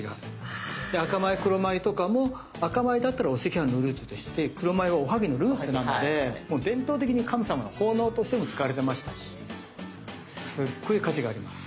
で赤米黒米とかも赤米だったらお赤飯のルーツとして黒米はおはぎのルーツなのでもう伝統的に神様の奉納としても使われてましたしすっごい価値があります。